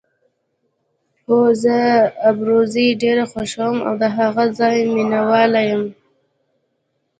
هو، زه ابروزي ډېره خوښوم او د هغه ځای مینه وال یم.